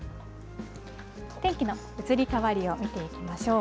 天気の移り変わりを見ていきましょう。